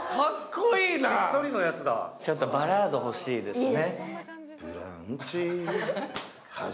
ちょっとバラード欲しいですね。